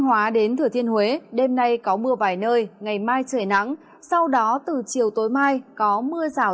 thanh hóa đến thừa thiên huế đêm nay có mưa vài nơi ngày mai trời nắng sau đó từ chiều tối mai có mưa rào